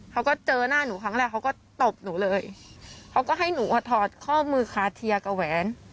เขาก็เจอหน้าหนูครั้งแรกเขาก็ตบหนูเลยเขาก็ให้หนูอ่ะถอดข้อมือคาเทียกับแหวน